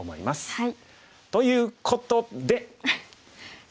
はい。